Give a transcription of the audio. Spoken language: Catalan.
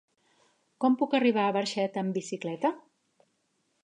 Com puc arribar a Barxeta amb bicicleta?